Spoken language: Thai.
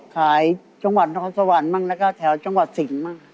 ขายจังหวัดนครสวรรค์บ้างแล้วก็แถวจังหวัดสิงห์บ้าง